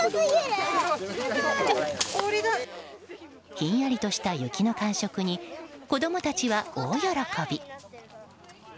ひんやりとした雪の感触に子供たちは大喜び。